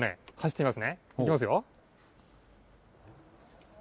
いきますよ。